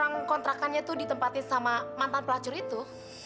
yang kontrakannya tuh ditempatin sama mantan pelacur itu